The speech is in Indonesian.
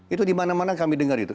itu dimana mana kami dengar itu